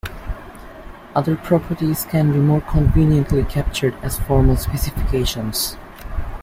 Other properties can be more conveniently captured as formal specifications.